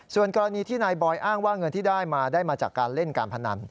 ส่วนกรณีที่นายบอยอ้างว่าเงินที่ได้มาได้มาจากการเล่นการพนัน